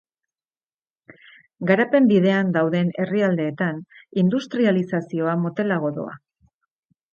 Garapen bidean dauden herrialdeetan industrializazioa motelago doa.